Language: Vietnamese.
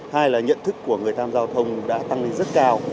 hai là nhận thức của người tham gia giao thông đã tăng lên rất cao